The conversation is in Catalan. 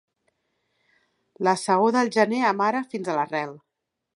La saó del gener amara fins a l'arrel.